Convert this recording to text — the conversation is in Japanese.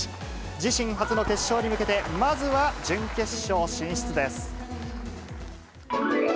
自身初の決勝に向けて、まずは準決勝進出です。